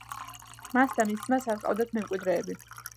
მას და მის ძმას არ ჰყავდათ მემკვიდრეები.